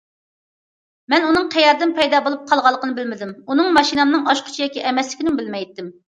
مەن ئۇنىڭ قەيەردىن پەيدا بولۇپ قالغانلىقىنى بىلمىدىم، ئۇنىڭ ماشىنامنىڭ ئاچقۇچى ياكى ئەمەسلىكىنىمۇ بىلمەيتتىم.